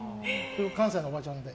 関西のおばちゃんで。